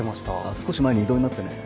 少し前に異動になってね